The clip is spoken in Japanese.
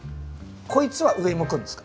こいつは上向くんですか？